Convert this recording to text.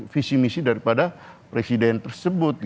visi misi daripada presiden tersebut